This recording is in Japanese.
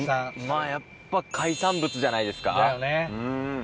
まぁやっぱ海産物じゃないですか。